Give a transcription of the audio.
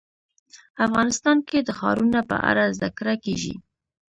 افغانستان کې د ښارونه په اړه زده کړه کېږي.